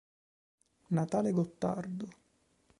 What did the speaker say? Natale Gottardo